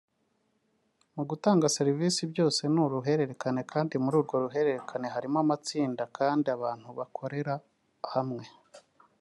mu gutanga serivisi; byose ni uruhererekane kandi muri urwo ruhererekane harimo amatsinda kandi abantu bakorera hamwe